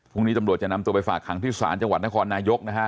พรุ่งนี้ตำรวจจะนำตัวไปฝากขังที่ศาลจังหวัดนครนายกนะฮะ